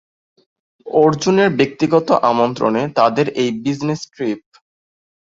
অর্জুনের ব্যক্তিগত আমন্ত্রণে তাদের এই বিজনেস ট্রিপ।